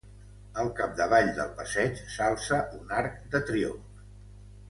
Al capdavall del passeig s'alça un arc de triomf.